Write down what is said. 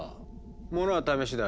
ものは試しだ。